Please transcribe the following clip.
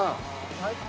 はい？